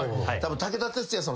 武田鉄矢さん